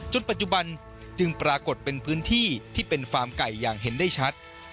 ปัจจุบันจึงปรากฏเป็นพื้นที่ที่เป็นฟาร์มไก่อย่างเห็นได้ชัด